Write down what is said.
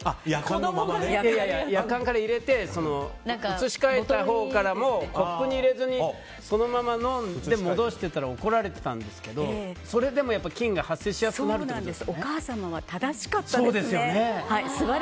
やかんから入れて移し替えたほうからもコップに入れずにそのまま飲んで戻してたら怒られてたんですけどそれでもやっぱり菌が発生しやすくなるお母様は正しかったですね。